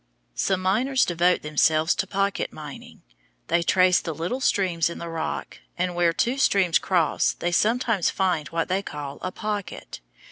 Some miners devote themselves to pocket mining. They trace the little seams in the rock, and where two seams cross they sometimes find what they call a "pocket."